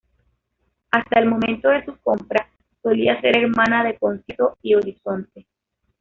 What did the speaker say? Hasta el momento de su compra, solía ser "hermana" de Concierto y Horizonte.